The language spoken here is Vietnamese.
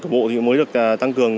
bộ mới được tăng cường